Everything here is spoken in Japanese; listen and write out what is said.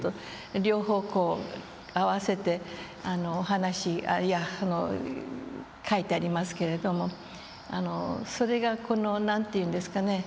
両方合わせてお話書いてありますけれどもそれがこの何て言うんですかね